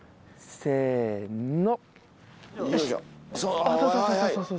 せの。